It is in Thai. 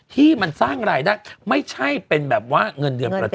ที่มันสร้างรายได้ไม่ใช่เป็นแบบว่าเงินเดือนประเทศ